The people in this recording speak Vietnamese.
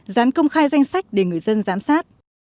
dán công khai danh sách để người dân giám sát